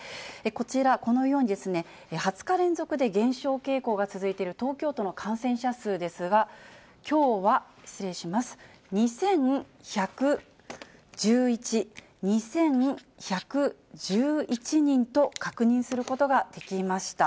こちら、このように２０日連続で減少傾向が続いている東京都の感染者数ですが、きょうは、失礼します、２１１１、２１１１人と確認することができました。